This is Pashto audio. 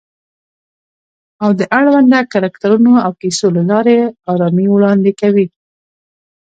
او د اړونده کرکټرونو او کیسو له لارې آرامي وړاندې کوي